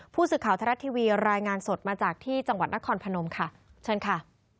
ผู้สื่อข่าวทรัฐทีวีรายงานสดมาจากที่จังหวัดนครพนมค่ะเชิญค่ะ